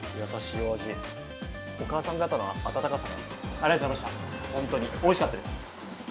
ありがとうございました、おいしかったです。